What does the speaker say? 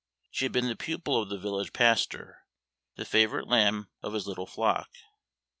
She had been the pupil of the village pastor, the favorite lamb of his little flock.